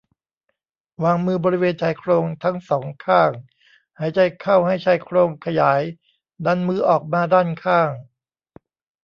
วางมือบริเวณชายโครงทั้ง สอง ข้าง หายใจเข้าให้ชายโครงขยายดันมือออกมาด้านข้าง